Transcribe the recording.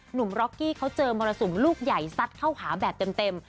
ร็อกกี้เขาเจอมรสุมลูกใหญ่ซัดเข้าหาแบบเต็ม